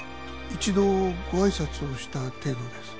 一度ご挨拶をした程度です